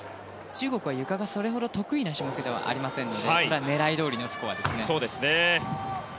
中国はゆかがそれほど得意な種目ではないので狙い通りのスコアですね。